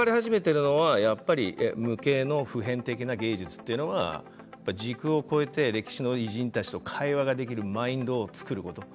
やっと分かり始めているのは無形の普遍的な芸術というのは時空を超えて歴史の偉人たちと会話ができるマインドを作ること。